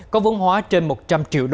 có vốn hóa trên một trăm linh triệu usd